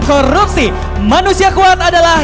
korupsi manusia kuat adalah